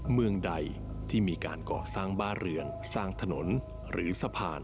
เมืองใดที่มีการก่อสร้างบ้านเรือนสร้างถนนหรือสะพาน